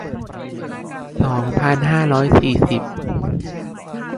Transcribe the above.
สองพันห้าร้อยสี่สิบ